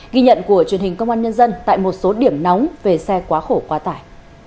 bộ truyền hình công an nhân dân tại một số điểm nóng về xe quá khổ quá tải